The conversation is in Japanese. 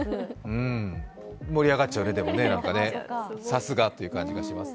盛り上がっちゃうね、さすがという感じがします。